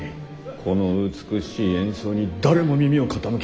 この美しい演奏に誰も耳を傾けんとは！